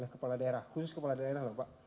khusus kepala daerah pak